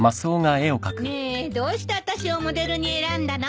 ねえどうしてあたしをモデルに選んだの？